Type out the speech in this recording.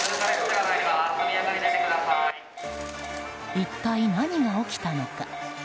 一体何が起きたのか。